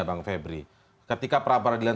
bang febri ketika pra peradilan